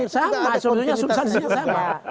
sama sebetulnya subsansinya sama